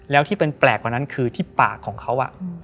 แล้วที่เป็นแปลกกว่านั้นคือที่ปากของเขา